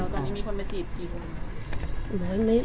ตอนนี้มีคนมาจีบอีก